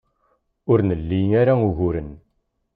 Ur nli ara uguren.